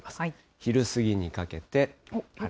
昼過ぎにかけて。